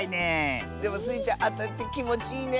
でもスイちゃんあたってきもちいいね。